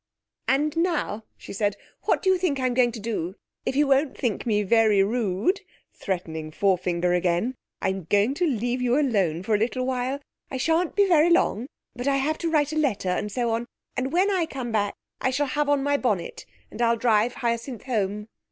'And now,' she said, 'what do you think I'm going to do? If you won't think me very rude' (threatening forefinger again), 'I'm going to leave you alone for a little while. I shan't be very long; but I have to write a letter, and so on, and when I come back I shall have on my bonnet, and I'll drive Hyacinth home.'